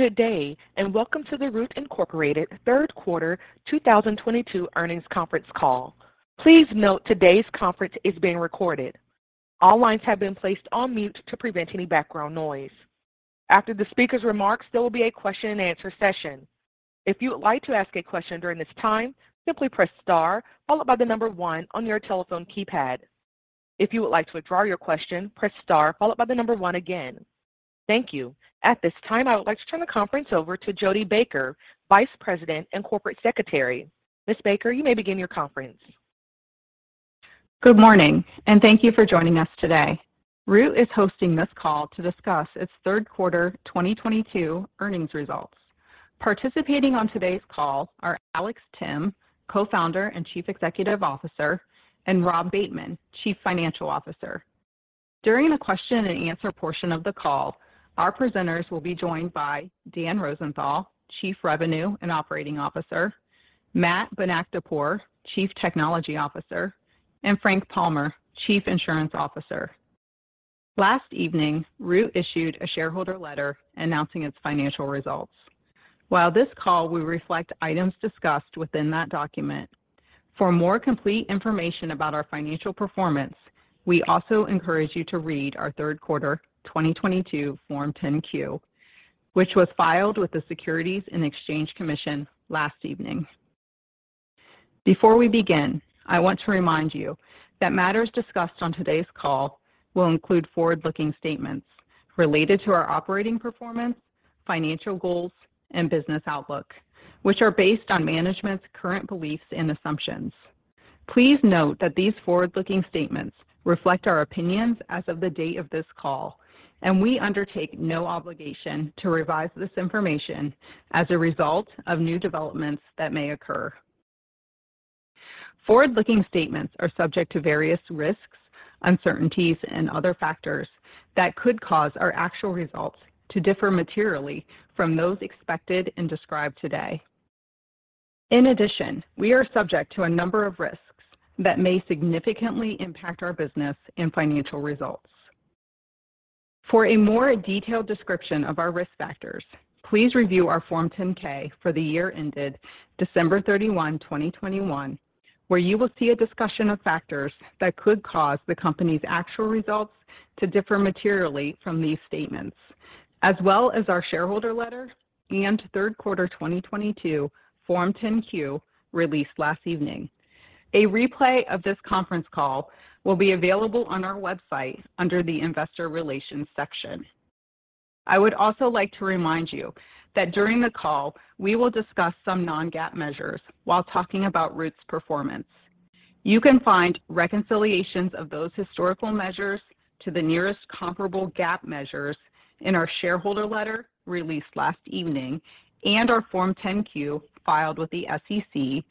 Good day, and welcome to the Root, Inc. Third Quarter 2022 Earnings Conference Call. Please note today's conference is being recorded. All lines have been placed on mute to prevent any background noise. After the speaker's remarks, there will be a question-and-answer session. If you would like to ask a question during this time, simply press star followed by the number one on your telephone keypad. If you would like to withdraw your question, press star followed by the number one again. Thank you. At this time, I would like to turn the conference over to Jodi Baker, Vice President and Corporate Secretary. Ms. Baker, you may begin your conference. Good morning, and thank you for joining us today. Root is hosting this call to discuss its third quarter 2022 earnings results. Participating on today's call are Alex Timm, Co-founder and Chief Executive Officer, and Rob Bateman, Chief Financial Officer. During the question-and-answer portion of the call, our presenters will be joined by Dan Rosenthal, Chief Revenue and Operating Officer, Matt Bonakdarpour, Chief Technology Officer, and Frank Palmer, Chief Insurance Officer. Last evening, Root issued a shareholder letter announcing its financial results. While this call will reflect items discussed within that document, for more complete information about our financial performance, we also encourage you to read our third quarter 2022 Form 10-Q, which was filed with the Securities and Exchange Commission last evening. Before we begin, I want to remind you that matters discussed on today's call will include forward-looking statements related to our operating performance, financial goals, and business outlook, which are based on management's current beliefs and assumptions. Please note that these forward-looking statements reflect our opinions as of the date of this call, and we undertake no obligation to revise this information as a result of new developments that may occur. Forward-looking statements are subject to various risks, uncertainties, and other factors that could cause our actual results to differ materially from those expected and described today. In addition, we are subject to a number of risks that may significantly impact our business and financial results. For a more detailed description of our risk factors, please review our Form 10-K for the year ended December 31, 2021, where you will see a discussion of factors that could cause the company's actual results to differ materially from these statements, as well as our shareholder letter and third quarter 2022 Form 10-Q released last evening. A replay of this conference call will be available on our website under the Investor Relations section. I would also like to remind you that during the call, we will discuss some non-GAAP measures while talking about Root's performance. You can find reconciliations of those historical measures to the nearest comparable GAAP measures in our shareholder letter released last evening and our Form 10-Q filed with the SEC,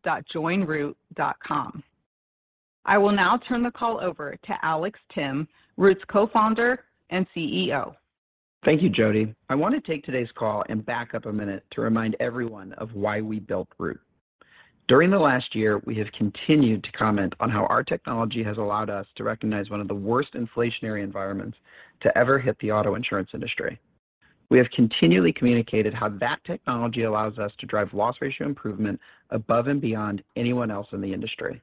which are posted on our website at ir.joinroot.com.I will now turn the call over to Alex Timm, Root's Co-founder and CEO. Thank you, Jodi. I want to take today's call and back up a minute to remind everyone of why we built Root. During the last year, we have continued to comment on how our technology has allowed us to recognize one of the worst inflationary environments to ever hit the auto insurance industry. We have continually communicated how that technology allows us to drive loss ratio improvement above and beyond anyone else in the industry.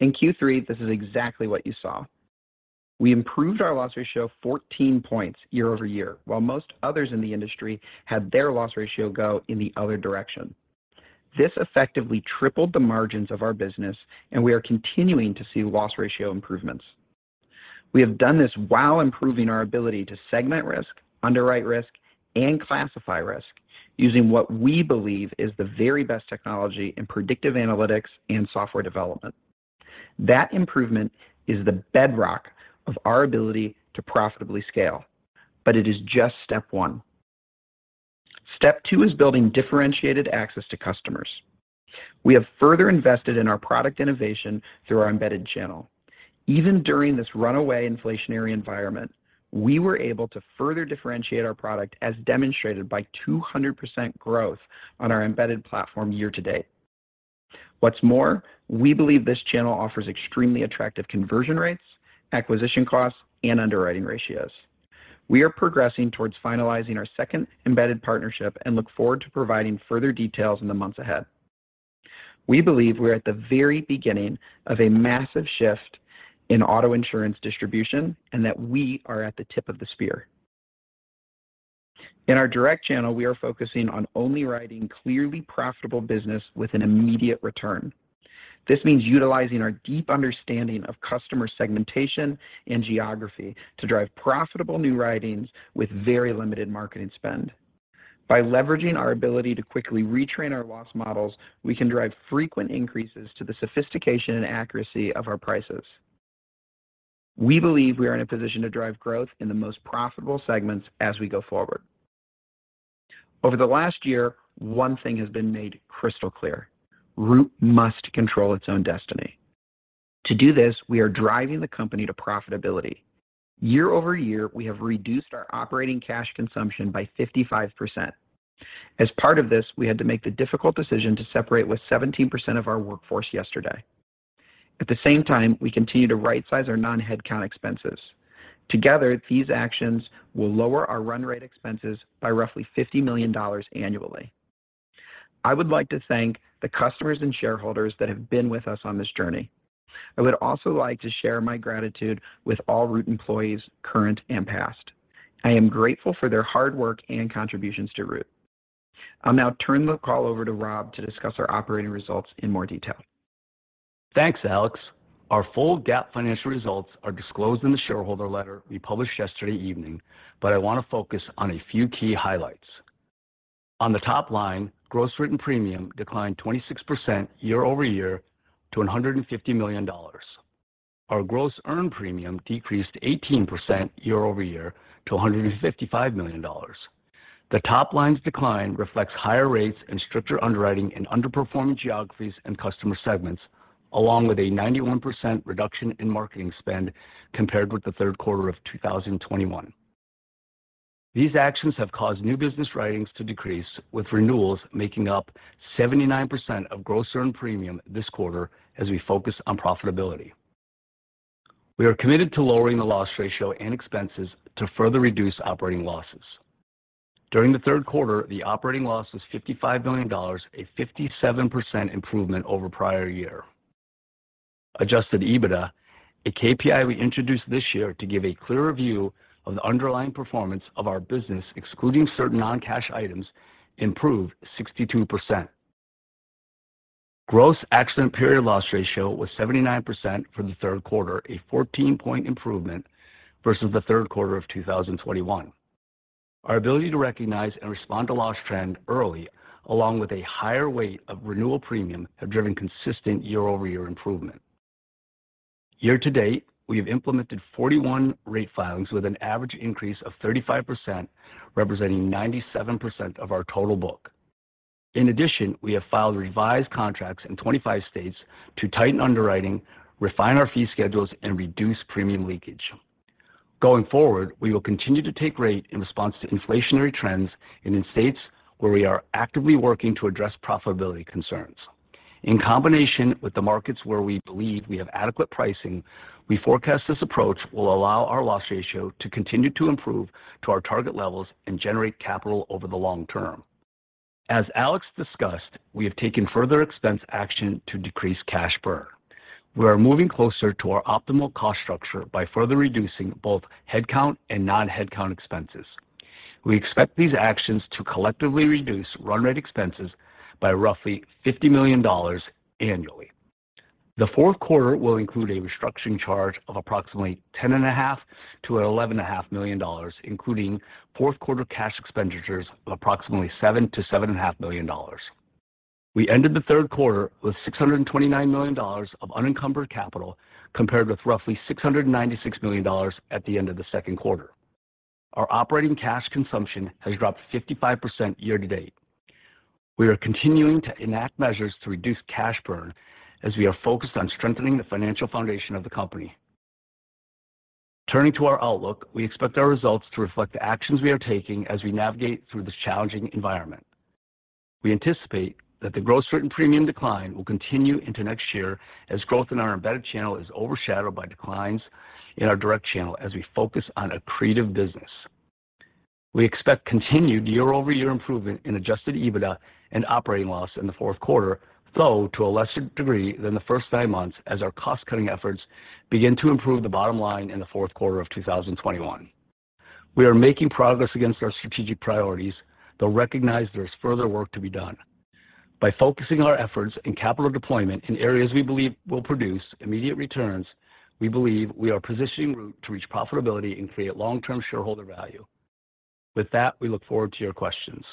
In Q3, this is exactly what you saw. We improved our loss ratio 14 points year-over-year, while most others in the industry had their loss ratio go in the other direction. This effectively tripled the margins of our business, and we are continuing to see loss ratio improvements. We have done this while improving our ability to segment risk, underwrite risk, and classify risk using what we believe is the very best technology in predictive analytics and software development. That improvement is the bedrock of our ability to profitably scale, but it is just step one. Step two is building differentiated access to customers. We have further invested in our product innovation through our embedded channel. Even during this runaway inflationary environment, we were able to further differentiate our product as demonstrated by 200% growth on our embedded platform year to date. What's more, we believe this channel offers extremely attractive conversion rates, acquisition costs, and underwriting ratios. We are progressing towards finalizing our second embedded partnership and look forward to providing further details in the months ahead. We believe we're at the very beginning of a massive shift in auto insurance distribution and that we are at the tip of the spear. In our direct channel, we are focusing on only writing clearly profitable business with an immediate return. This means utilizing our deep understanding of customer segmentation and geography to drive profitable new writings with very limited marketing spend. By leveraging our ability to quickly retrain our loss models, we can drive frequent increases to the sophistication and accuracy of our prices. We believe we are in a position to drive growth in the most profitable segments as we go forward. Over the last year, one thing has been made crystal clear. Root must control its own destiny. To do this, we are driving the company to profitability. Year-over-year, we have reduced our operating cash consumption by 55%. As part of this, we had to make the difficult decision to separate with 17% of our workforce yesterday. At the same time, we continue to right-size our non-headcount expenses. Together, these actions will lower our run rate expenses by roughly $50 million annually. I would like to thank the customers and shareholders that have been with us on this journey. I would also like to share my gratitude with all Root employees, current and past. I am grateful for their hard work and contributions to Root. I'll now turn the call over to Rob to discuss our operating results in more detail. Thanks, Alex. Our full GAAP financial results are disclosed in the shareholder letter we published yesterday evening, but I want to focus on a few key highlights. On the top line, gross written premium declined 26% year-over-year to $150 million. Our gross earned premium decreased 18% year-over-year to $155 million. The top line's decline reflects higher rates and stricter underwriting in underperforming geographies and customer segments, along with a 91% reduction in marketing spend compared with the third quarter of 2021. These actions have caused new business writings to decrease, with renewals making up 79% of gross earned premium this quarter as we focus on profitability. We are committed to lowering the loss ratio and expenses to further reduce operating losses. During the third quarter, the operating loss was $55 million, a 57% improvement over prior year. Adjusted EBITDA, a KPI we introduced this year to give a clearer view of the underlying performance of our business, excluding certain non-cash items, improved 62%. Gross accident period loss ratio was 79% for the third quarter, a 14-point improvement versus the third quarter of 2021. Our ability to recognize and respond to loss trend early, along with a higher weight of renewal premium, have driven consistent year-over-year improvement. Year to date, we have implemented 41 rate filings with an average increase of 35%, representing 97% of our total book. In addition, we have filed revised contracts in 25 states to tighten underwriting, refine our fee schedules, and reduce premium leakage. Going forward, we will continue to take rate in response to inflationary trends and in states where we are actively working to address profitability concerns. In combination with the markets where we believe we have adequate pricing, we forecast this approach will allow our loss ratio to continue to improve to our target levels and generate capital over the long term. As Alex discussed, we have taken further expense action to decrease cash burn. We are moving closer to our optimal cost structure by further reducing both headcount and non-headcount expenses. We expect these actions to collectively reduce run rate expenses by roughly $50 million annually. The fourth quarter will include a restructuring charge of approximately $10.5 million-$11.5 million, including fourth quarter cash expenditures of approximately $7 million-$7.5 million. We ended the third quarter with $629 million of unencumbered capital, compared with roughly $696 million at the end of the second quarter. Our operating cash consumption has dropped 55% year to date. We are continuing to enact measures to reduce cash burn as we are focused on strengthening the financial foundation of the company. Turning to our outlook, we expect our results to reflect the actions we are taking as we navigate through this challenging environment. We anticipate that the gross written premium decline will continue into next year as growth in our embedded channel is overshadowed by declines in our direct channel as we focus on accretive business. We expect continued year-over-year improvement in Adjusted EBITDA and operating loss in the fourth quarter, though to a lesser degree than the first nine months as our cost-cutting efforts begin to improve the bottom line in the fourth quarter of 2021. We are making progress against our strategic priorities, though recognize there is further work to be done. By focusing our efforts in capital deployment in areas we believe will produce immediate returns, we believe we are positioning Root to reach profitability and create long-term shareholder value. With that, we look forward to your questions.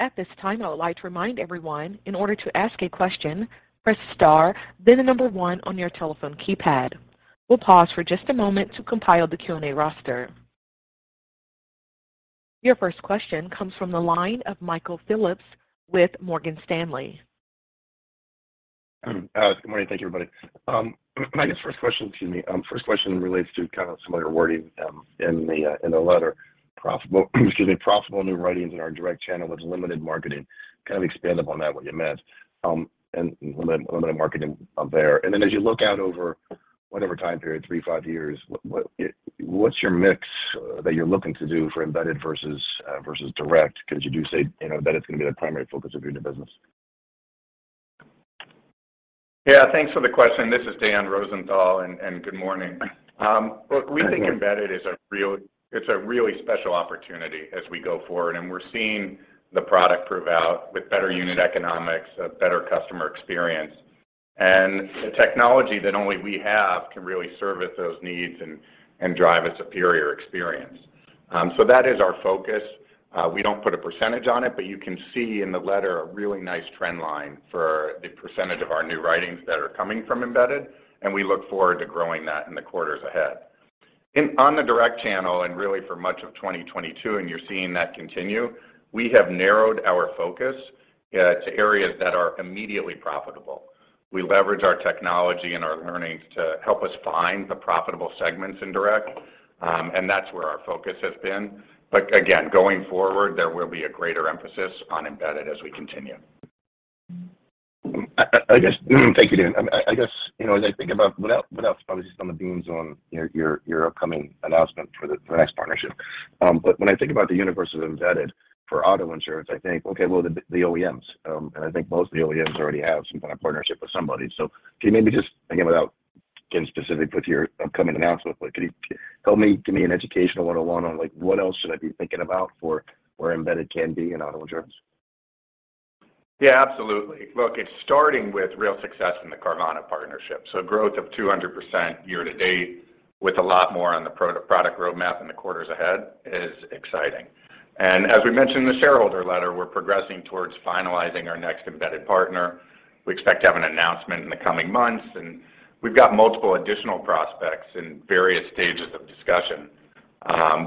At this time, I would like to remind everyone in order to ask a question, press star, then one on your telephone keypad. We'll pause for just a moment to compile the Q&A roster. Your first question comes from the line of Michael Phillips with Morgan Stanley. Good morning. Thank you, everybody. First question relates to kind of some of your wording in the letter. Profitable new writings in our direct channel with limited marketing. Kind of expand upon that, what you meant, and limited marketing up there. As you look out over whatever time period, three, five years, what's your mix that you're looking to do for embedded versus direct? Because you do say, you know, that it's going to be the primary focus of your new business. Yeah, thanks for the question. This is Daniel Rosenthal, and good morning. Look, we think embedded is a real—it's a really special opportunity as we go forward. We're seeing the product prove out with better unit economics, a better customer experience. The technology that only we have can really service those needs and drive a superior experience. So that is our focus. We don't put a percentage on it, but you can see in the letter a really nice trend line for the percentage of our new writings that are coming from Embedded, and we look forward to growing that in the quarters ahead. On the direct channel and really for much of 2022, you're seeing that continue. We have narrowed our focus to areas that are immediately profitable. We leverage our technology and our learnings to help us find the profitable segments in direct, and that's where our focus has been. Again, going forward, there will be a greater emphasis on embedded as we continue. I guess. Thank you, Dan. I guess, you know, as I think about without probably just spilling the beans on your upcoming announcement for the next partnership. But when I think about the universe of embedded for auto insurance, I think, okay, well, the OEMs, and I think most of the OEMs already have some kind of partnership with somebody. So can you maybe just, again, without getting specific with your upcoming announcement, but can you help me, give me an educational 101 on, like, what else should I be thinking about for where embedded can be in auto insurance? Yeah, absolutely. Look, it's starting with real success in the Carvana partnership. Growth of 200% year to date with a lot more on the product roadmap in the quarters ahead is exciting. As we mentioned in the shareholder letter, we're progressing towards finalizing our next embedded partner. We expect to have an announcement in the coming months, and we've got multiple additional prospects in various stages of discussion,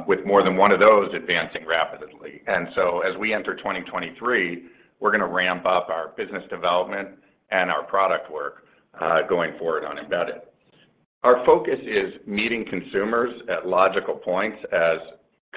with more than one of those advancing rapidly. As we enter 2023, we're gonna ramp up our business development and our product work, going forward on embedded. Our focus is meeting consumers at logical points as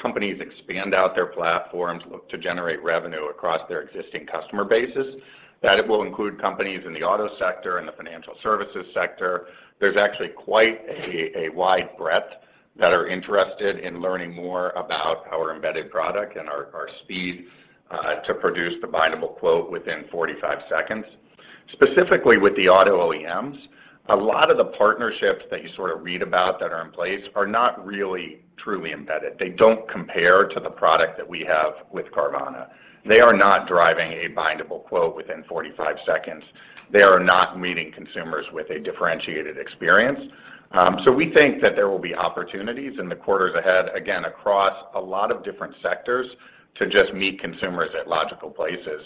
companies expand out their platforms, look to generate revenue across their existing customer bases. That it will include companies in the auto sector and the financial services sector. There's actually quite a wide breadth that are interested in learning more about our embedded product and our speed to produce the bindable quote within 45 seconds. Specifically with the auto OEMs, a lot of the partnerships that you sort of read about that are in place are not really truly embedded. They don't compare to the product that we have with Carvana. They are not driving a bindable quote within 45 seconds. They are not meeting consumers with a differentiated experience. We think that there will be opportunities in the quarters ahead, again, across a lot of different sectors to just meet consumers at logical places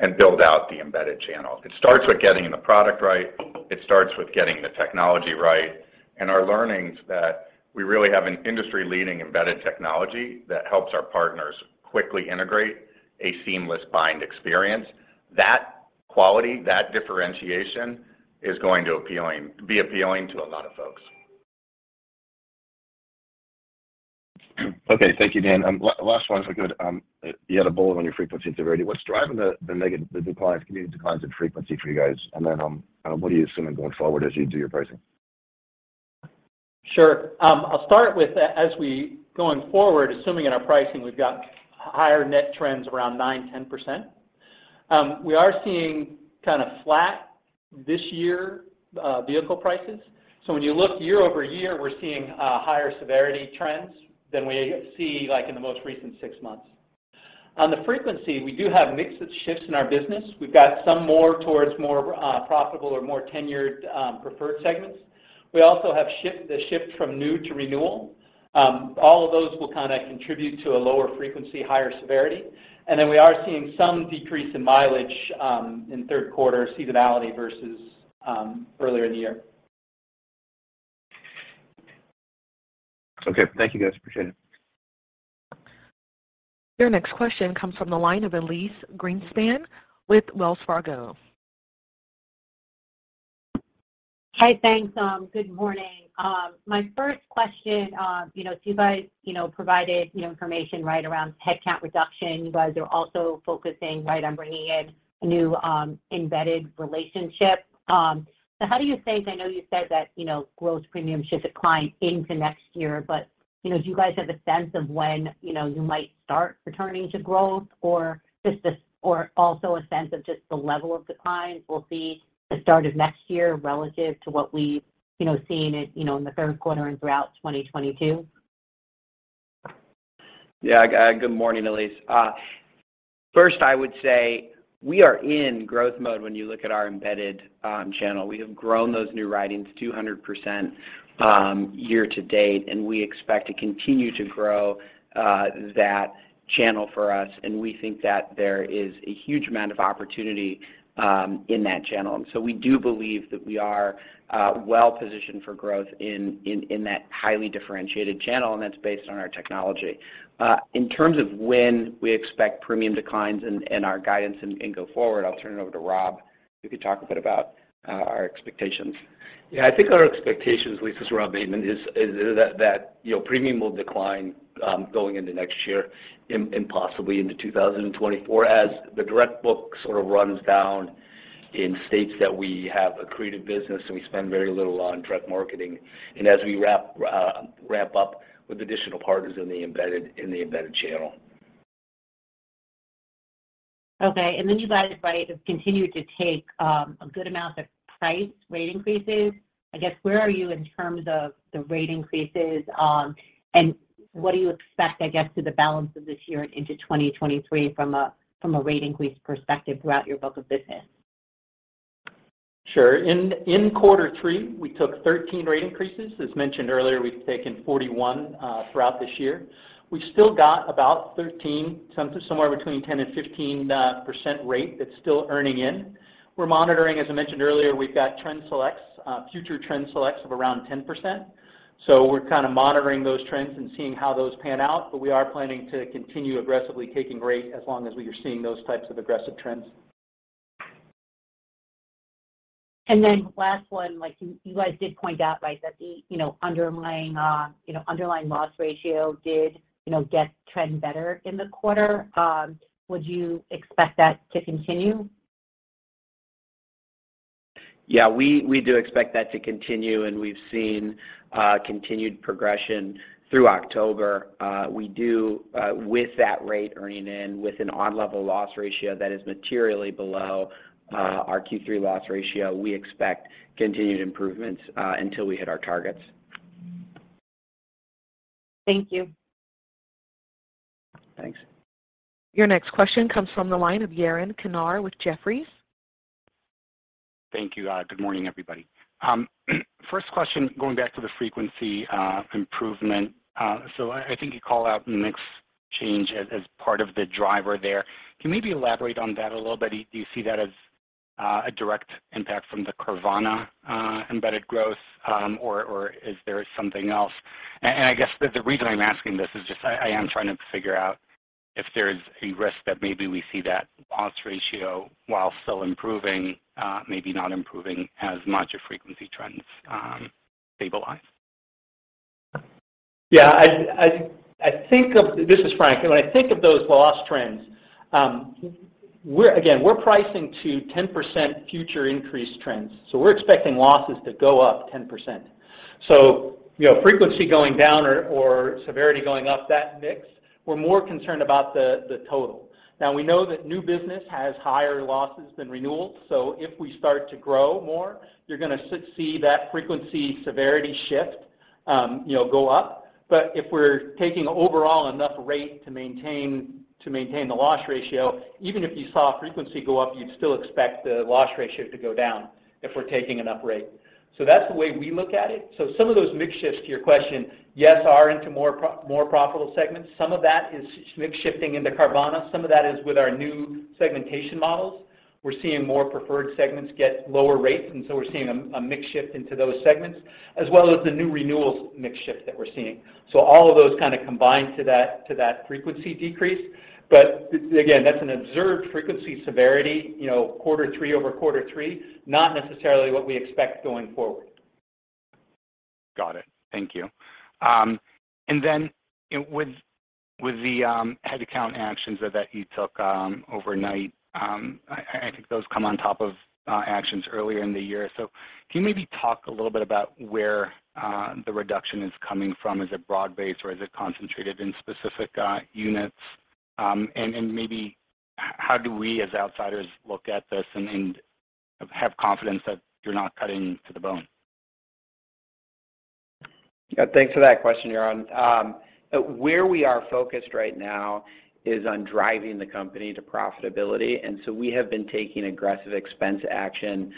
and build out the embedded channel. It starts with getting the product right. It starts with getting the technology right. Our learnings that we really have an industry-leading embedded technology that helps our partners quickly integrate a seamless bind experience. That quality, that differentiation is going to be appealing to a lot of folks. Okay. Thank you, Dan. Last one if I could. You had a bullet on your frequency severity. What's driving the declines, continued declines in frequency for you guys? What are you assuming going forward as you do your pricing? Sure. I'll start with as we going forward, assuming in our pricing, we've got higher net trends around 9%-10%. We are seeing kind of flat this year vehicle prices. When you look year-over-year, we're seeing higher severity trends than we see, like, in the most recent six months. On the frequency, we do have mixed shifts in our business. We've got some more towards more profitable or more tenured preferred segments. We also have the shift from new to renewal. All of those will kind of contribute to a lower frequency, higher severity. We are seeing some decrease in mileage in third quarter seasonality versus earlier in the year. Okay. Thank you, guys. Appreciate it. Your next question comes from the line of Elyse Greenspan with Wells Fargo. Hi. Thanks. Good morning. My first question, you know, you guys provided, you know, information right around headcount reduction. You guys are also focusing, right, on bringing in new embedded relationship. 'Cause I know you said that, you know, gross premium should decline into next year. You know, do you guys have a sense of when, you know, you might start returning to growth or just or also a sense of just the level of declines we'll see the start of next year relative to what we've, you know, seen it, you know, in the third quarter and throughout 2022? Yeah. Good morning, Elyse. First, I would say we are in growth mode when you look at our embedded channel. We have grown those new writings 200%, year to date, and we expect to continue to grow that channel for us. We think that there is a huge amount of opportunity in that channel. We do believe that we are well positioned for growth in that highly differentiated channel, and that's based on our technology. In terms of when we expect premium declines in our guidance and go forward, I'll turn it over to Rob, who could talk a bit about our expectations. Yeah. I think our expectations, Elyse, as Rob mentioned, is that you know, premium will decline going into next year and possibly into 2024 as the direct book sort of runs down in states that we have accreted business, and we spend very little on direct marketing, and as we wrap up with additional partners in the embedded channel. Okay. You guys, right, have continued to take a good amount of price rate increases. I guess, where are you in terms of the rate increases? What do you expect, I guess, to the balance of this year and into 2023 from a rate increase perspective throughout your book of business? In quarter three, we took 13 rate increases. As mentioned earlier, we've taken 41 throughout this year. We've still got about 13, somewhere between 10% and 15% rate that's still earning in. We're monitoring, as I mentioned earlier, we've got trend selects, future trend selects of around 10%. We're kind of monitoring those trends and seeing how those pan out, but we are planning to continue aggressively taking rate as long as we are seeing those types of aggressive trends. Then last one, like you guys did point out, right, that the, you know, underlying loss ratio did, you know, get trend better in the quarter. Would you expect that to continue? Yeah, we do expect that to continue, and we've seen continued progression through October. We do with that rate earning in with an on-level loss ratio that is materially below our Q3 loss ratio. We expect continued improvements until we hit our targets. Thank you. Thanks. Your next question comes from the line of Yaron Kinar with Jefferies. Thank you. Good morning, everybody. First question, going back to the frequency improvement. So I think you call out mix change as part of the driver there. Can you maybe elaborate on that a little bit? Do you see that as a direct impact from the Carvana embedded growth, or is there something else? I guess the reason I'm asking this is just I am trying to figure out if there's a risk that maybe we see that loss ratio while still improving, maybe not improving as much if frequency trends stabilize. Yeah. I think. This is Frank. When I think of those loss trends, again, we're pricing to 10% future increased trends, so we're expecting losses to go up 10%. You know, frequency going down or severity going up, that mix, we're more concerned about the total. Now we know that new business has higher losses than renewals, so if we start to grow more, you're gonna see that frequency severity shift, you know, go up. If we're taking overall enough rate to maintain the loss ratio, even if you saw frequency go up, you'd still expect the loss ratio to go down if we're taking enough rate. That's the way we look at it. Some of those mix shifts to your question, yes, are into more profitable segments. Some of that is mix shifting into Carvana. Some of that is with our new segmentation models. We're seeing more preferred segments get lower rates, and so we're seeing a mix shift into those segments, as well as the new renewals mix shift that we're seeing. All of those kind of combine to that frequency decrease. It's again that's an observed frequency severity, you know, quarter three-over-quarter three, not necessarily what we expect going forward. Got it. Thank you. With the headcount actions that you took overnight, I think those come on top of actions earlier in the year. Can you maybe talk a little bit about where the reduction is coming from? Is it broad-based or is it concentrated in specific units? Maybe how do we as outsiders look at this and have confidence that you're not cutting to the bone? Yeah. Thanks for that question, Yaron. Where we are focused right now is on driving the company to profitability. We have been taking aggressive expense action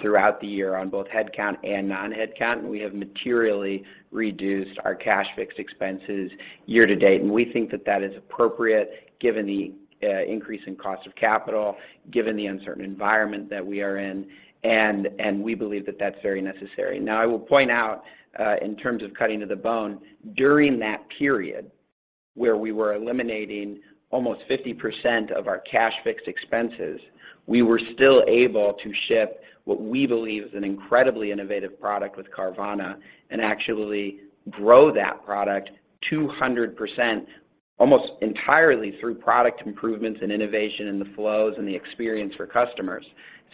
throughout the year on both headcount and non-headcount. We have materially reduced our cash fixed expenses year to date. We think that that is appropriate given the increase in cost of capital, given the uncertain environment that we are in, and we believe that that's very necessary. Now, I will point out in terms of cutting to the bone, during that period where we were eliminating almost 50% of our cash fixed expenses, we were still able to ship what we believe is an incredibly innovative product with Carvana and actually grow that product 200% almost entirely through product improvements and innovation in the flows and the experience for customers.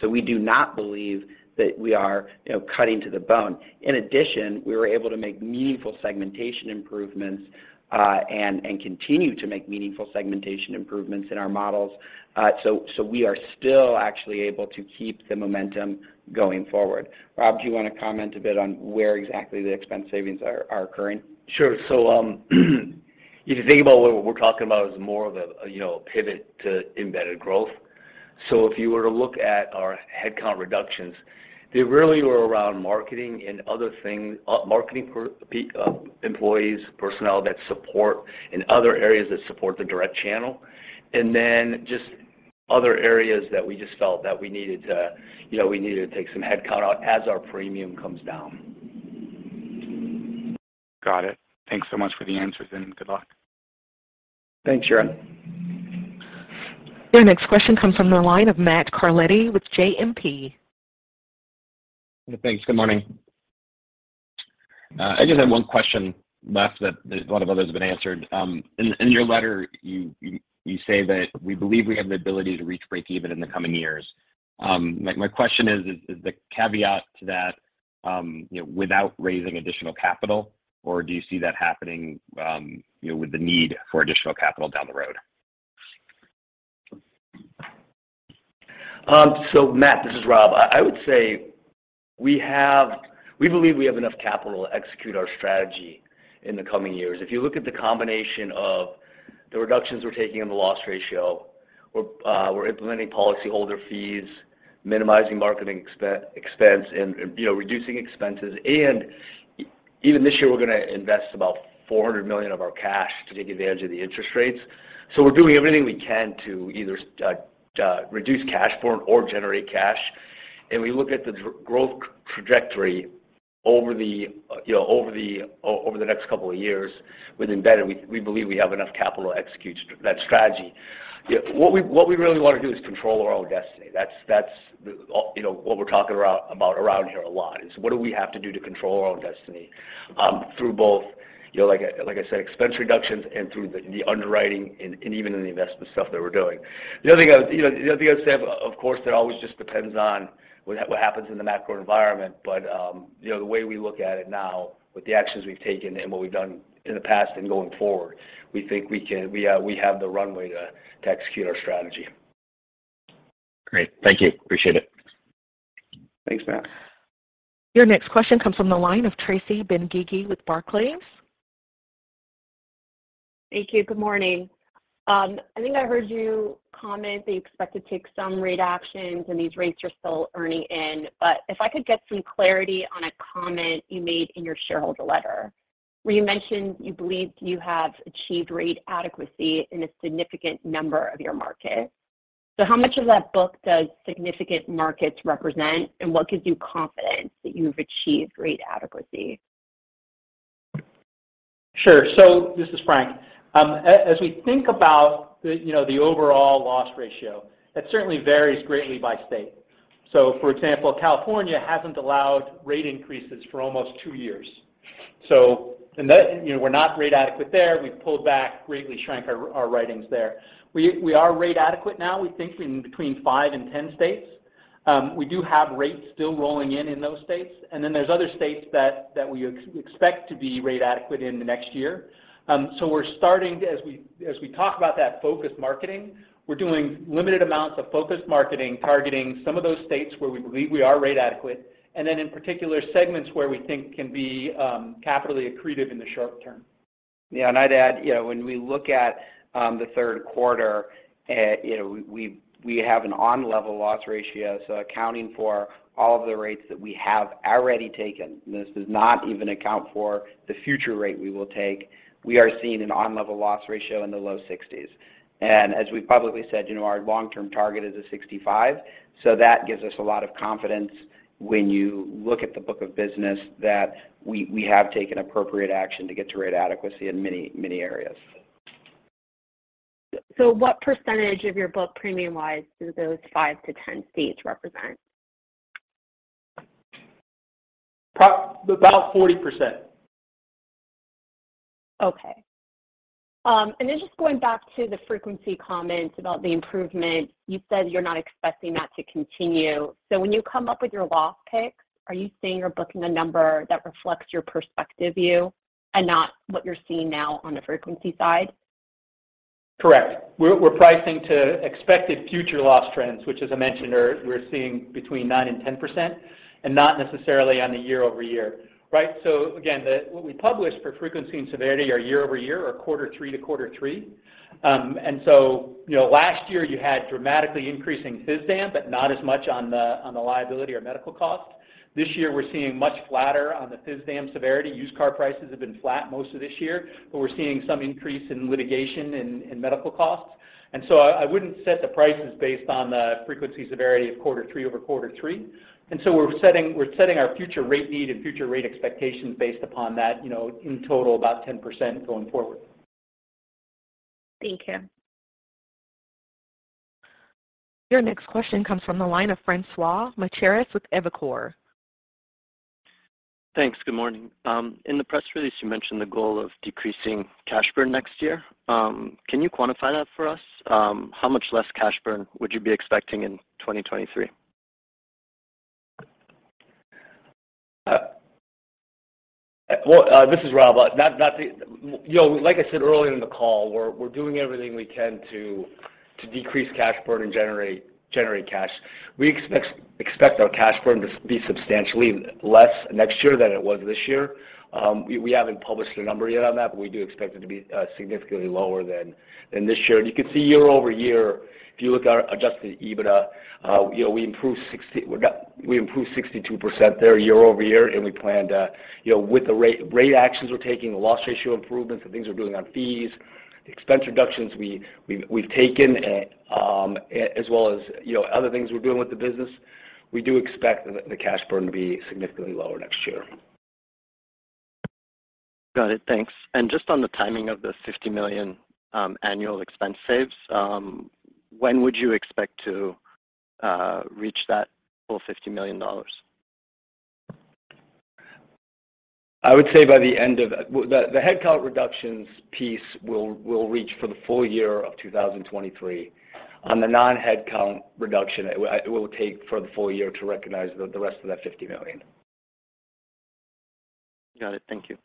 We do not believe that we are, you know, cutting to the bone. In addition, we were able to make meaningful segmentation improvements, and continue to make meaningful segmentation improvements in our models. We are still actually able to keep the momentum going forward. Rob, do you want to comment a bit on where exactly the expense savings are occurring? If you think about what we're talking about is more of a, you know, a pivot to embedded growth. If you were to look at our headcount reductions, they really were around marketing and other things. Marketing employees, personnel that support and other areas that support the direct channel. Just other areas that we just felt that we needed to, you know, we needed to take some headcount out as our premium comes down. Got it. Thanks so much for the answers, and good luck. Thanks, Yaron. Your next question comes from the line of Matt Carletti with JMP. Thanks. Good morning. I just have one question left that a lot of others have been answered. In your letter, you say that we believe we have the ability to reach breakeven in the coming years. My question is the caveat to that, you know, without raising additional capital, or do you see that happening, you know, with the need for additional capital down the road? Matt, this is Rob. I would say we believe we have enough capital to execute our strategy in the coming years. If you look at the combination of the reductions we're taking on the loss ratio, we're implementing policyholder fees, minimizing marketing expense, and, you know, reducing expenses. Even this year, we're gonna invest about $400 million of our cash to take advantage of the interest rates. We're doing everything we can to either reduce cash burn or generate cash. We look at the growth trajectory You know, over the next couple of years with embedded, we believe we have enough capital to execute that strategy. Yeah, what we really want to do is control our own destiny. That's all, you know, what we're talking about around here a lot, is what do we have to do to control our own destiny, through both, you know, like I said, expense reductions and through the underwriting and even in the investment stuff that we're doing. The other thing I'd say, you know, of course, that always just depends on what happens in the macro environment. You know, the way we look at it now with the actions we've taken and what we've done in the past and going forward, we think we can. We have the runway to execute our strategy. Great. Thank you. Appreciate it. Thanks, Matt. Your next question comes from the line of Tracy Benguigui with Barclays. Thank you. Good morning. I think I heard you comment that you expect to take some rate actions, and these rates you're still earning in. If I could get some clarity on a comment you made in your shareholder letter where you mentioned you believed you have achieved rate adequacy in a significant number of your markets. How much of that book does significant markets represent, and what gives you confidence that you've achieved rate adequacy? Sure. This is Frank. As we think about the, you know, the overall loss ratio, that certainly varies greatly by state. For example, California hasn't allowed rate increases for almost two years. In that, you know, we're not rate adequate there. We've pulled back, greatly shrank our writings there. We are rate adequate now, we think in between five and 10 states. We do have rates still rolling in in those states. Then there's other states that we expect to be rate adequate in the next year. We're starting to, as we talk about that focused marketing, we're doing limited amounts of focused marketing, targeting some of those states where we believe we are rate adequate, and then in particular segments where we think can be capital accretive in the short term. Yeah. I'd add, you know, when we look at the third quarter, you know, we have an on-level loss ratio, so accounting for all of the rates that we have already taken. This does not even account for the future rate we will take. We are seeing an on-level loss ratio in the low 60s. As we've publicly said, you know, our long-term target is 65%, so that gives us a lot of confidence when you look at the book of business that we have taken appropriate action to get to rate adequacy in many, many areas. What percentage of your book premium-wise do those five to 10 states represent? About 40%. Okay. Just going back to the frequency comments about the improvement, you said you're not expecting that to continue. When you come up with your loss picks, are you saying you're booking a number that reflects your prospective view and not what you're seeing now on the frequency side? Correct. We're pricing to expected future loss trends, which as I mentioned we're seeing between 9% and 10%, and not necessarily on the year-over-year. Right? So again, what we publish for frequency and severity are year-over-year or quarter three to quarter three. You know, last year you had dramatically increasing physical damage, but not as much on the liability or medical costs. This year we're seeing much flatter on the physical damage severity. Used car prices have been flat most of this year, but we're seeing some increase in litigation and medical costs. I wouldn't set the prices based on the frequency severity of quarter three over quarter three. We're setting our future rate need and future rate expectations based upon that, you know, in total about 10% going forward. Thank you. Your next question comes from the line of David Motemaden with Evercore. Thanks. Good morning. In the press release you mentioned the goal of decreasing cash burn next year. Can you quantify that for us? How much less cash burn would you be expecting in 2023? Well, this is Rob. You know, like I said earlier in the call, we're doing everything we can to decrease cash burn and generate cash. We expect our cash burn to be substantially less next year than it was this year. We haven't published a number yet on that, but we do expect it to be significantly lower than this year. You can see year-over-year, if you look at our Adjusted EBITDA, you know, we improved 62% there year-over-year. We plan to, you know, with the rate actions we're taking, the loss ratio improvements, the things we're doing on fees, expense reductions we've taken, and as well as, you know, other things we're doing with the business, we do expect the cash burn to be significantly lower next year. Got it. Thanks. Just on the timing of the $50 million annual expense savings, when would you expect to reach that full $50 million? Well, the headcount reductions piece will reach for the full year of 2023. On the non-headcount reduction it will take for the full year to recognize the rest of that $50 million. Got it. Thank you.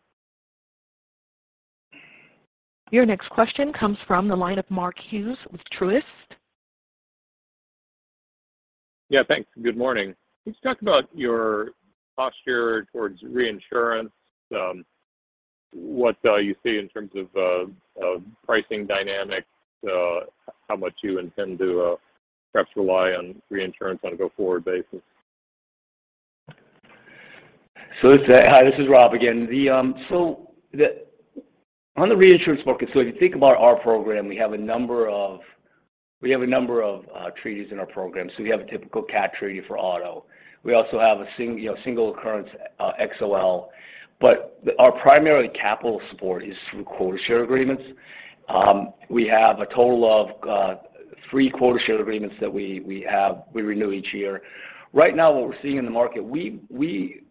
Your next question comes from the line of Mark Hughes with Truist. Yeah, thanks. Good morning. Can you talk about your posture towards reinsurance? What you see in terms of of pricing dynamics, how much you intend to perhaps rely on reinsurance on a go-forward basis? Hi, this is Rob again. On the reinsurance market, if you think about our program, we have a number of treaties in our program. We have a typical catastrophe treaty for auto. We also have a you know, single occurrence XOL. But our primary capital support is through quota share agreements. We have a total of three quota share agreements that we renew each year. Right now, what we're seeing in the market, we've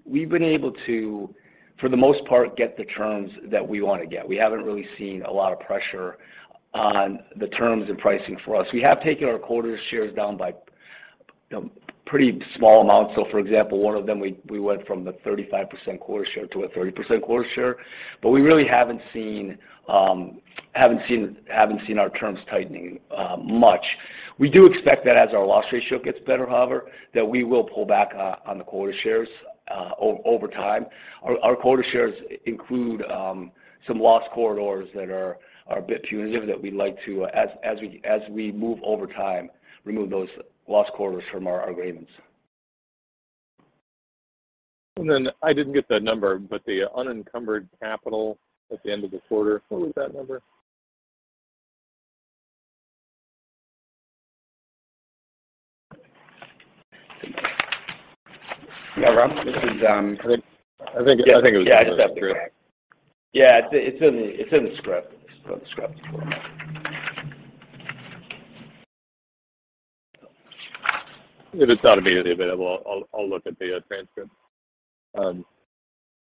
been able to, for the most part, get the terms that we want to get. We haven't really seen a lot of pressure on the terms and pricing for us. We have taken our quota shares down by you know, pretty small amounts. For example, one of them, we went from the 35% quota share to a 30% quota share. We really haven't seen our terms tightening much. We do expect that as our loss ratio gets better, however, that we will pull back on the quota shares over time. Our quota shares include some loss corridors that are a bit punitive that we'd like to, as we move over time, remove those loss corridors from our agreements. I didn't get that number, but the unencumbered capital at the end of the quarter, what was that number? Yeah, Rob, this is. I think it was in there. Yeah, it's after. Yeah, it's in the script. If it's not immediately available, I'll look at the transcript.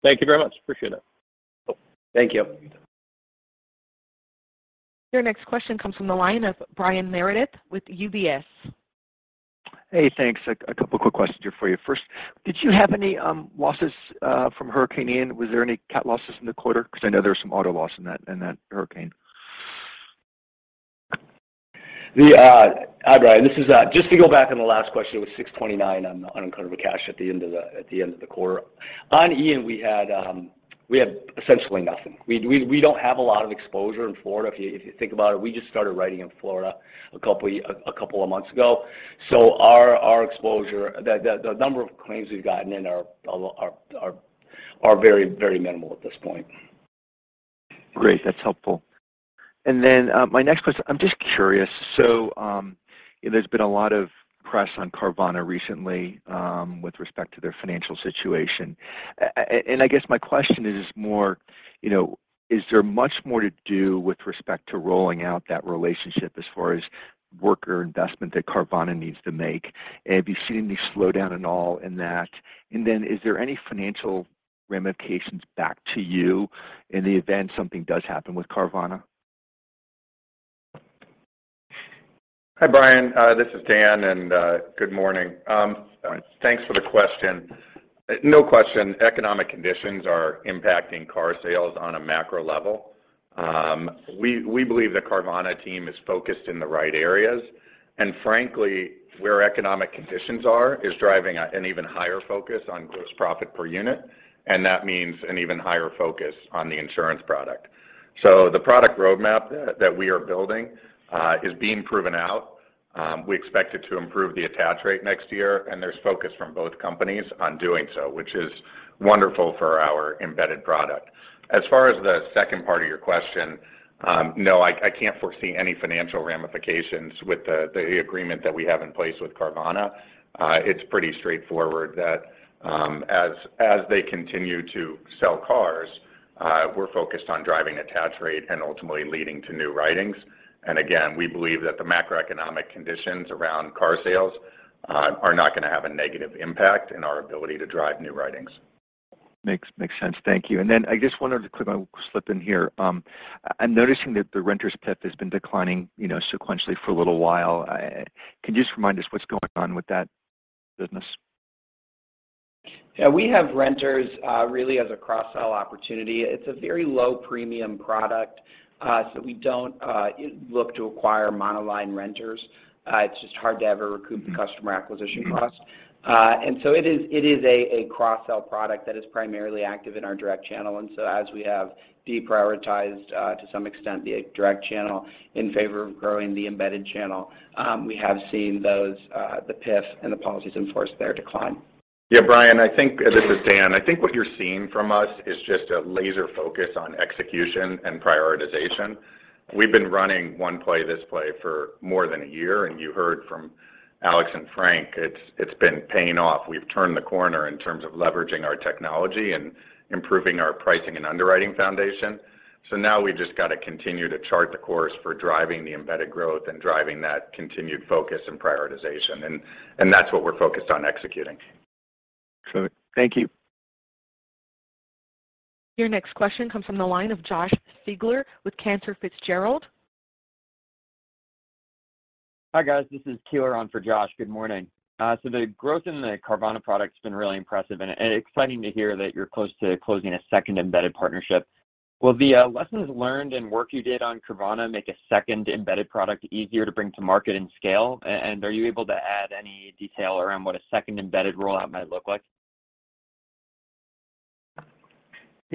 Thank you very much. Appreciate it. Thank you. Your next question comes from the line of Brian Meredith with UBS. Hey, thanks. A couple of quick questions here for you. First, did you have any losses from Hurricane Ian? Was there any CAT losses in the quarter? Because I know there's some auto loss in that hurricane. Hi, Brian, this is just to go back on the last question. It was $629 on the unencumbered cash at the end of the quarter. On Ian, we had essentially nothing. We don't have a lot of exposure in Florida. If you think about it, we just started writing in Florida a couple of months ago. Our exposure, the number of claims we've gotten in are very minimal at this point. Great. That's helpful. My next question, I'm just curious. You know, there's been a lot of press on Carvana recently with respect to their financial situation. I guess my question is more, you know, is there much more to do with respect to rolling out that relationship as far as work or investment that Carvana needs to make? Have you seen any slowdown at all in that? Is there any financial ramifications back to you in the event something does happen with Carvana? Hi, Brian. This is Dan, and good morning. Thanks for the question. No question, economic conditions are impacting car sales on a macro level. We believe the Carvana team is focused in the right areas. Frankly, where economic conditions are is driving an even higher focus on gross profit per unit, and that means an even higher focus on the insurance product. The product roadmap that we are building is being proven out. We expect it to improve the attach rate next year, and there's focus from both companies on doing so, which is wonderful for our embedded product. As far as the second part of your question, no, I can't foresee any financial ramifications with the agreement that we have in place with Carvana. It's pretty straightforward that, as they continue to sell cars, we're focused on driving attach rate and ultimately leading to new writings. Again, we believe that the macroeconomic conditions around car sales are not gonna have a negative impact in our ability to drive new writings. Makes sense. Thank you. I just wanted to quickly slip in here. I'm noticing that the renters PIF has been declining, you know, sequentially for a little while. Can you just remind us what's going on with that business? Yeah. We have renters really as a cross-sell opportunity. It's a very low premium product, so we don't look to acquire monoline renters. It's just hard to ever recoup the customer acquisition cost. It is a cross-sell product that is primarily active in our direct channel. As we have deprioritized to some extent the direct channel in favor of growing the embedded channel, we have seen those the PIF and the policies enforced there decline. Yeah, Brian, I think. This is Dan. I think what you're seeing from us is just a laser focus on execution and prioritization. We've been running one play, this play for more than a year, and you heard from Alex and Frank, it's been paying off. We've turned the corner in terms of leveraging our technology and improving our pricing and underwriting foundation. Now we've just got to continue to chart the course for driving the embedded growth and driving that continued focus and prioritization. That's what we're focused on executing. Sure. Thank you. Your next question comes from the line of Josh Siegler with Cantor Fitzgerald. Hi, guys. This is Keelan on for Josh. Good morning. The growth in the Carvana product's been really impressive, and exciting to hear that you're close to closing a second embedded partnership. Will the lessons learned and work you did on Carvana make a second embedded product easier to bring to market and scale? And are you able to add any detail around what a second embedded rollout might look like?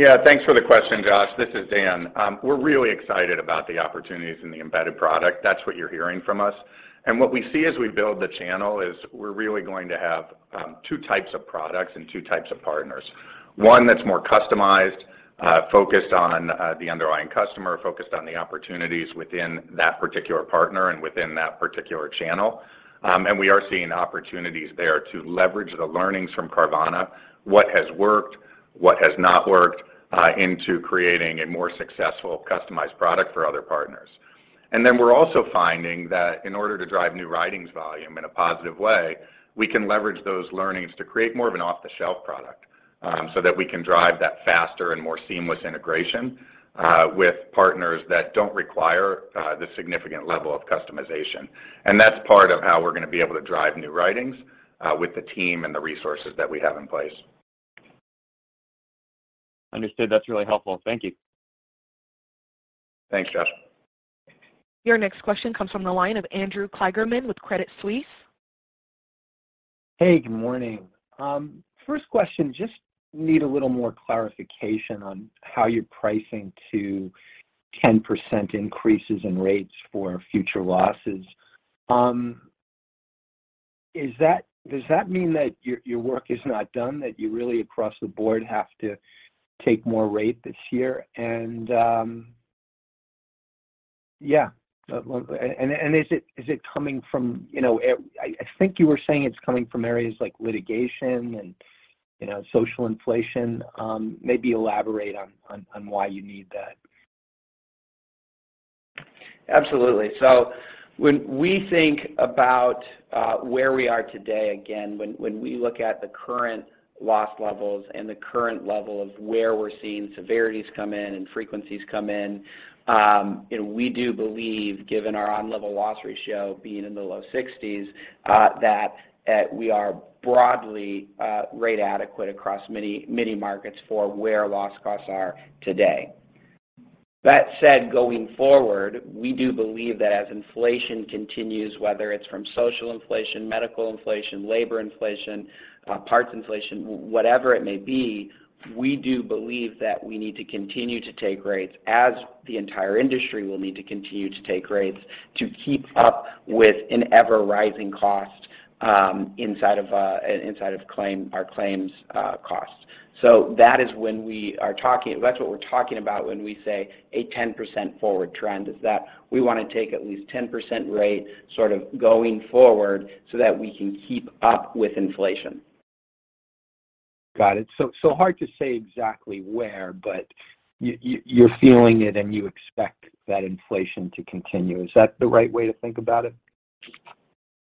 Yeah. Thanks for the question, Josh. This is Dan. We're really excited about the opportunities in the embedded product. That's what you're hearing from us. What we see as we build the channel is we're really going to have two types of products and two types of partners. One that's more customized, focused on the underlying customer, focused on the opportunities within that particular partner and within that particular channel. We are seeing opportunities there to leverage the learnings from Carvana, what has worked, what has not worked, into creating a more successful customized product for other partners. We're also finding that in order to drive new writings volume in a positive way, we can leverage those learnings to create more of an off-the-shelf product, so that we can drive that faster and more seamless integration with partners that don't require the significant level of customization. That's part of how we're going to be able to drive new writings with the team and the resources that we have in place. Understood. That's really helpful. Thank you. Thanks, Josh. Your next question comes from the line of Andrew Kligerman with Credit Suisse. Hey, good morning. First question, just need a little more clarification on how you're pricing to 10% increases in rates for future losses. Does that mean that your work is not done, that you really across the board have to take more rate this year? Yeah. Is it coming from, you know, I think you were saying it's coming from areas like litigation and, you know, social inflation. Maybe elaborate on why you need that. Absolutely. When we think about where we are today, again, when we look at the current loss levels and the current level of where we're seeing severities come in and frequencies come in, you know, we do believe, given our on-level loss ratio being in the low 60s%, that we are broadly rate adequate across many, many markets for where loss costs are today. That said, going forward, we do believe that as inflation continues, whether it's from social inflation, medical inflation, labor inflation, parts inflation, whatever it may be, we do believe that we need to continue to take rates as the entire industry will need to continue to take rates to keep up with an ever-rising cost inside of our claims costs. That's what we're talking about when we say a 10% forward trend, is that we wanna take at least 10% rate sort of going forward so that we can keep up with inflation. Got it. Hard to say exactly where, but you're feeling it and you expect that inflation to continue. Is that the right way to think about it?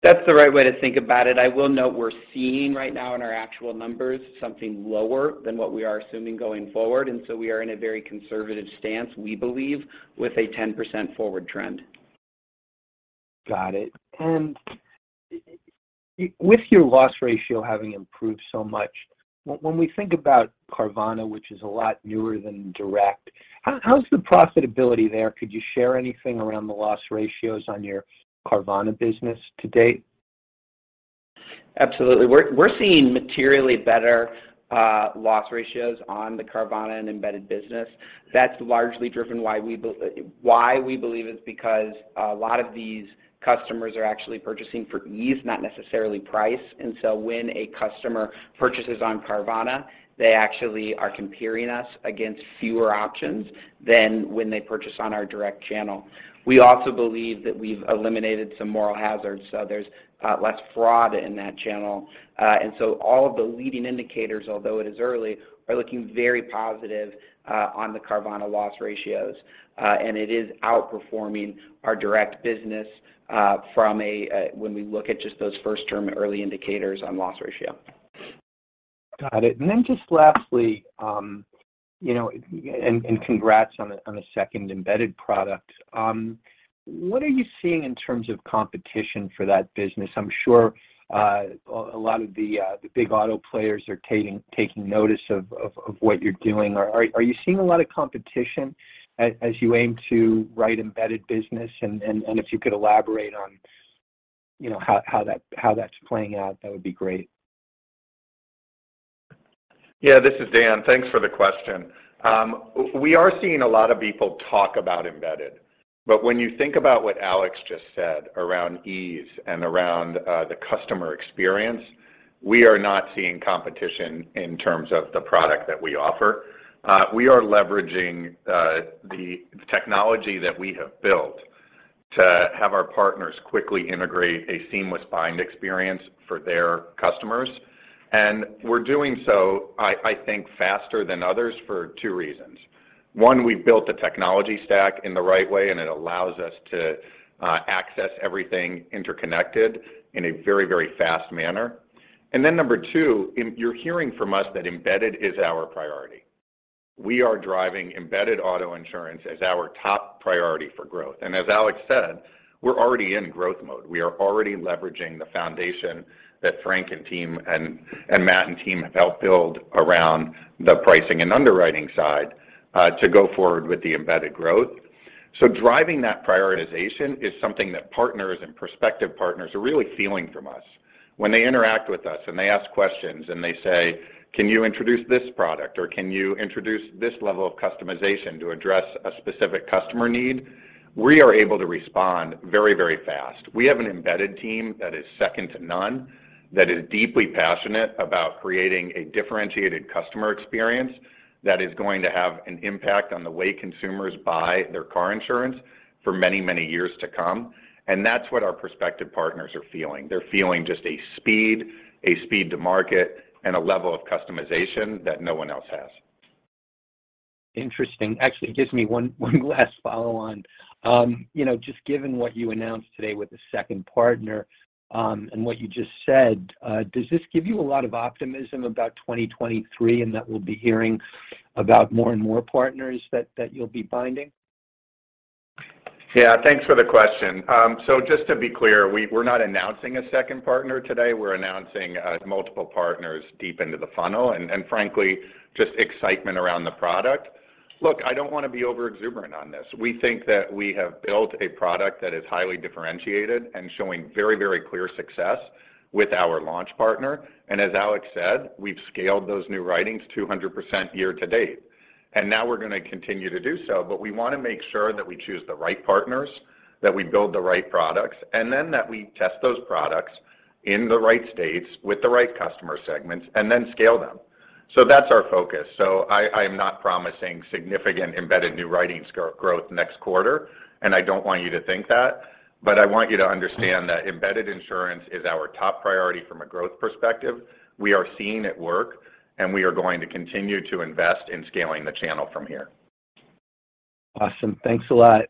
That's the right way to think about it. I will note we're seeing right now in our actual numbers something lower than what we are assuming going forward. We are in a very conservative stance, we believe, with a 10% forward trend. Got it. With your loss ratio having improved so much, when we think about Carvana, which is a lot newer than direct, how's the profitability there? Could you share anything around the loss ratios on your Carvana business to date? Absolutely. We're seeing materially better loss ratios on the Carvana and Embedded business. That's largely driven why we believe is because a lot of these customers are actually purchasing for ease, not necessarily price. When a customer purchases on Carvana, they actually are comparing us against fewer options than when they purchase on our direct channel. We also believe that we've eliminated some moral hazards, so there's less fraud in that channel. All of the leading indicators, although it is early, are looking very positive on the Carvana loss ratios. It is outperforming our direct business from when we look at just those first-term early indicators on loss ratio. Got it. Then just lastly, you know, congrats on the second embedded product. What are you seeing in terms of competition for that business? I'm sure a lot of the big auto players are taking notice of what you're doing. Are you seeing a lot of competition as you aim to write Embedded business? If you could elaborate on, you know, how that's playing out, that would be great. Yeah, this is Dan. Thanks for the question. We are seeing a lot of people talk about embedded. When you think about what Alex just said around ease and around the customer experience, we are not seeing competition in terms of the product that we offer. We are leveraging the technology that we have built to have our partners quickly integrate a seamless buying experience for their customers. We're doing so, I think, faster than others for two reasons. One, we've built the technology stack in the right way, and it allows us to access everything interconnected in a very, very fast manner. Number two, you're hearing from us that embedded is our priority. We are driving embedded auto insurance as our top priority for growth. As Alex said, we're already in growth mode. We are already leveraging the foundation that Frank and team and Matt and team have helped build around the pricing and underwriting side, to go forward with the embedded growth. Driving that prioritization is something that partners and prospective partners are really feeling from us. When they interact with us, and they ask questions, and they say, "Can you introduce this product?" Or, "Can you introduce this level of customization to address a specific customer need?" We are able to respond very, very fast. We have an embedded team that is second to none, that is deeply passionate about creating a differentiated customer experience that is going to have an impact on the way consumers buy their car insurance for many, many years to come, and that's what our prospective partners are feeling. They're feeling just a speed to market, and a level of customization that no one else has. Interesting. Actually, it gives me one last follow-on. You know, just given what you announced today with the second partner, and what you just said, does this give you a lot of optimism about 2023, and that we'll be hearing about more and more partners that you'll be binding? Yeah. Thanks for the question. So just to be clear, we're not announcing a second partner today. We're announcing multiple partners deep into the funnel, and frankly, just excitement around the product. Look, I don't wanna be over-exuberant on this. We think that we have built a product that is highly differentiated and showing very, very clear success with our launch partner, and as Alex said, we've scaled those new writings 200% year to date. Now we're gonna continue to do so, but we wanna make sure that we choose the right partners, that we build the right products, and then that we test those products in the right states with the right customer segments and then scale them. That's our focus. I am not promising significant embedded new writing growth next quarter, and I don't want you to think that. I want you to understand that embedded insurance is our top priority from a growth perspective. We are seeing it work, and we are going to continue to invest in scaling the channel from here. Awesome. Thanks a lot.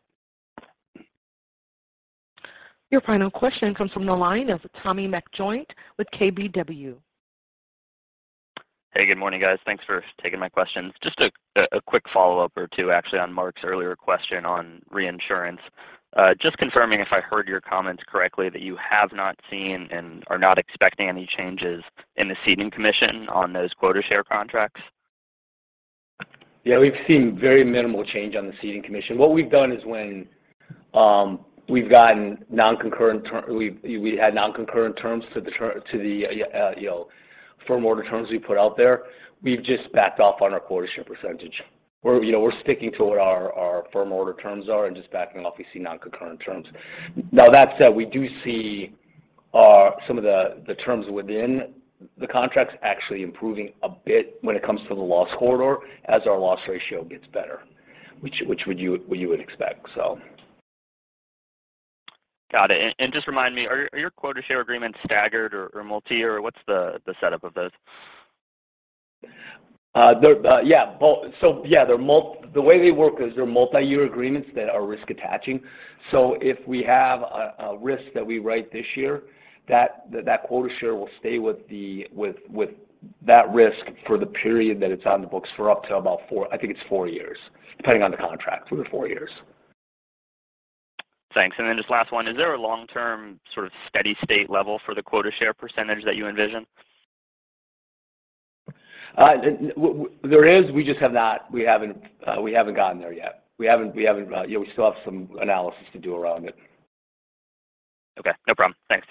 Your final question comes from the line of Tommy McJoynt with KBW. Hey, good morning, guys. Thanks for taking my questions. Just a quick follow-up or two actually on Mark's earlier question on reinsurance. Just confirming if I heard your comments correctly that you have not seen and are not expecting any changes in the ceding commission on those quota share contracts. Yeah. We've seen very minimal change on the ceding commission. What we've done is when we've gotten non-concurrent terms to the firm order terms we put out there, we've just backed off on our quota share percentage. You know, we're sticking to what our firm order terms are and just backing off if we see non-concurrent terms. Now that said, we do see some of the terms within the contracts actually improving a bit when it comes to the loss corridor as our loss ratio gets better, which is what you would expect. Got it. Just remind me, are your quota share agreements staggered or what's the setup of those? They're both. The way they work is they're multiyear agreements that are risk attaching. If we have a risk that we write this year, that quota share will stay with that risk for the period that it's on the books for up to about four, I think it's four years, depending on the contract, for the four years. Thanks. Just last one, is there a long-term sort of steady state level for the quota share percentage that you envision? There is, we just haven't gotten there yet. We haven't, we still have some analysis to do around it. Okay. No problem. Thanks.